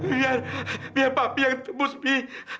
biar biar papi yang tembus bi